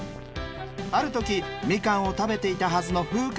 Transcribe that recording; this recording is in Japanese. ある時みかんを食べていたはずのふうか